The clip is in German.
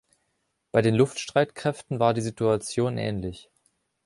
Bei den Luftstreitkräften war die Situation ähnlich.